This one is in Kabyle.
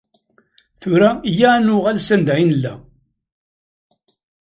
Tura, iyya ad nuɣal sanda i nella.